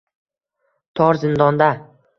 Tor zindonda